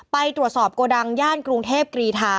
ไปตรวจสอบโกดังย่านกรุงเทพกรีธา